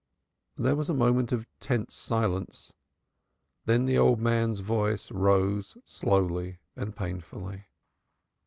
There was a moment of tense silence. Then the old man's voice rose slowly and painfully.